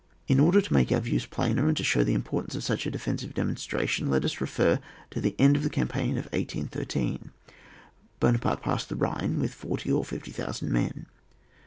In order to make our views plainer, and to show the importance of such a defensive demonstration, let us refer to the end of the campaign of 1813. Buona parte repassed the Bhine with forty or fifty thousand men.